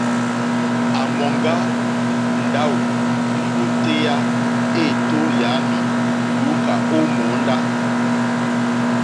À mòŋgá ndáwò lìwòtéyá éètó yǎmì lùúkà ó mòóndá.